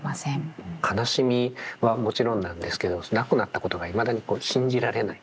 悲しみはもちろんなんですけど亡くなったことがいまだにこう信じられない。